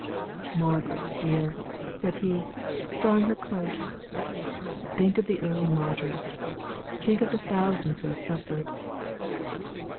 "Margaret, dear!" said he, drawing her closer, "think of the early martyrs; think of the thousands who have suffered."